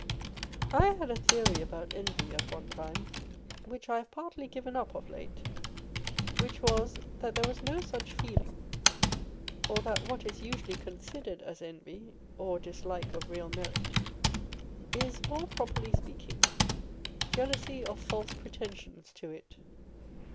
I had a theory about Envy at one time, which I have partly given up of late â€" which was, that there was no such feeling, or that what is usually considered as envy or dislike of real merit is, more properly speaking, jealousy of false pretensions to it.